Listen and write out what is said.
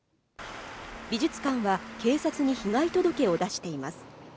美術館は警察に被害届を出しています。